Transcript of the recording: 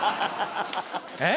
えっ？